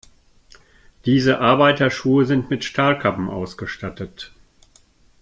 Diese Arbeiterschuhe sind mit Stahlkappen ausgestattet.